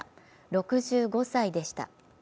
６５歳でした。